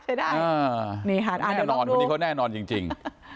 ใช้ได้ใช้ได้แน่นอนคนนี้เขาแน่นอนจริง